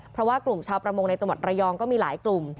เพราะว่ากลุ่มชาวประมงในจังหวัดระยองก็มีหลายกลุ่ม